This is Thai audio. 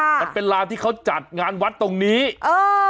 มันเป็นลานที่เขาจัดงานวัดตรงนี้เออ